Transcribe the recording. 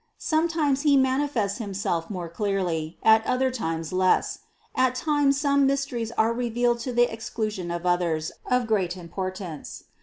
Sometimes He manifests Himself more clearly, at other times less. At times some mysteries are revealed to the exclusion of others of great importance.